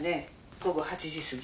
午後８時過ぎ。